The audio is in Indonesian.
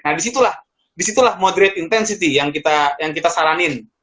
nah disitulah disitulah moderate intensity yang kita saranin